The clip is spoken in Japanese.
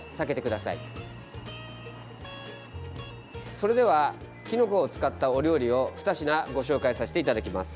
それではきのこを使ったお料理を２品ご紹介させていただだきます。